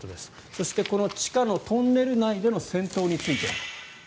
そしてこの地下のトンネル内での戦闘について。